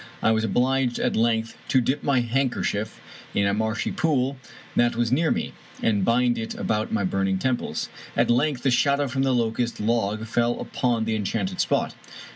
I was obliged at length to dip my handkerchief in a marshy pool that was near me, and bind it about my burning temples. At length the shadow from the locust log fell upon the enchanted spot.